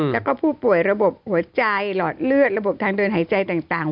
แล้วก็ผู้ป่วยระบบหัวใจหลอดเลือดระบบทางเดินหายใจต่าง